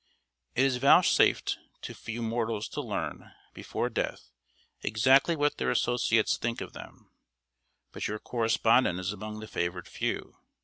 ] It is vouchsafed to few mortals to learn, before death, exactly what their associates think of them; but your correspondent is among the favored few.